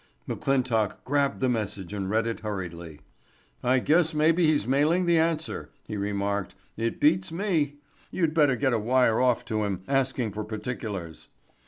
McClintock grabbed the message and read it hurriedly. "I guess maybe he's mailing the answer," he remarked. "It beats me. You'd better get a wire off to him asking for particulars."